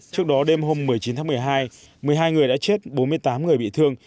trước đó đêm hôm một mươi chín tháng một mươi hai một mươi hai người đã chết bốn mươi tám người bị thương